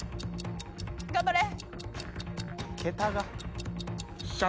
頑張れ。